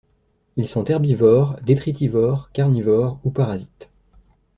Ils sont herbivores, détritivores, carnivores ou parasites.